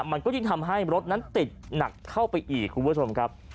มันก็ยิ่งทำให้รถนั้นติดหนักเข้าไปอีกคุณผู้ชมครับ